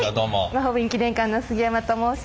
まほうびん記念館の杉山と申します。